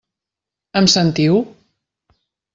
Em sentiu?